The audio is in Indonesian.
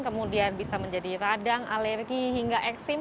kemudian bisa menjadi radang alergi hingga eksim